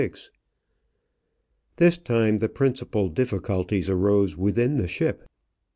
This time the principal difficulties arose within the ship.